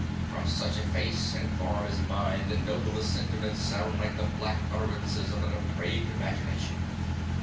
'From such a face and form as mine, the noblest sentiments sound like the black utterances of a depraved imagination.'